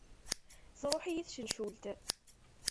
Truḥ-iyi tcencult.